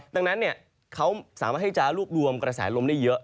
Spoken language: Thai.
ดังนั้นเขาสามารถให้จะรวบรวมกระแสลมได้เยอะ